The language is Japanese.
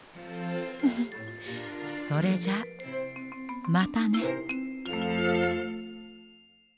フフッそれじゃまたね。